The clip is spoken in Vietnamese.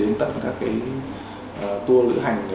mình có thể đưa ra lựa chọn